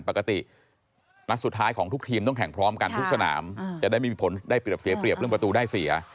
ปกตินัดสุดท้ายของทุกทีมต้องแข่งพร้อมกันทุกสนามจะได้ไม่มีผลได้เปรียบเสียเปรียบเรื่องประตูได้เสีย